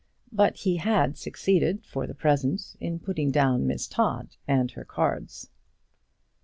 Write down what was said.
But he had succeeded for the present in putting down Miss Todd and her cards.